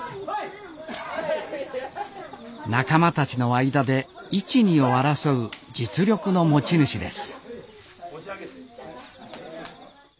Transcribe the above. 仲間たちの間で１・２を争う実力の持ち主です